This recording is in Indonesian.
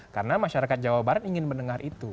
karena masyarakat jawa barat ingin mendengar itu